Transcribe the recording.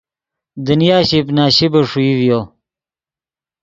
دنیا شیپ نا شیپے ݰوئی ڤیو